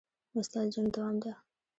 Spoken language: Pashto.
وسله د جنګ دوام ده